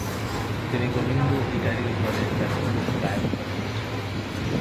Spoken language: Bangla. তিনি গোবিন্দ অধিকারীর দলে বেতনভুক গায়কতা করেছেন।